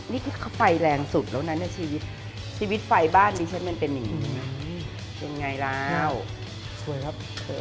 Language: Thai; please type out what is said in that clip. นี่นี่แฟนแรงสุดแล้วนะชีวิตฟัยบ้านดิฉันมันเป็นอย่างนี้เป็นไงล่ะหน้าวสวยครับ